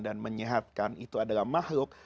dan menyehatkan itu adalah mahluk